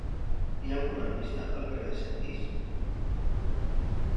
Hi ha algun lampista al carrer de Sentís?